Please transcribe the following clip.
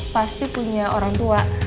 pasti punya orang tua